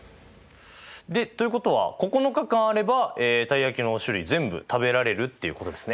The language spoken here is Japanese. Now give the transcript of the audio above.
ということは９日間あればたい焼きの種類全部食べられるっていうことですね。